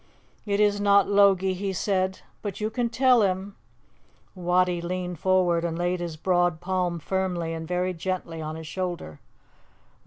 "It is not Logie," he said; "but you can tell him " Wattie leaned forward and laid his broad palm firmly and very gently on his shoulder.